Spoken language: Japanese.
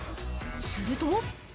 すると。